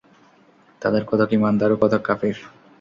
তাদের কতক ঈমানদার ও কতক কাফির।